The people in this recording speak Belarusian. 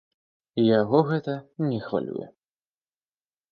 Яго гэта не хвалюе.